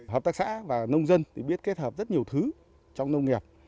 hợp tác xã và nông dân biết kết hợp rất nhiều thứ trong nông nghiệp